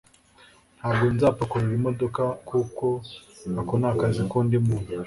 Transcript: ntabwo nzapakurura imodoka kuko ako ni akazi k'undi muntu